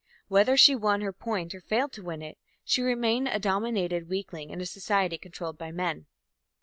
Whether she won her point or failed to win it, she remained a dominated weakling in a society controlled by men.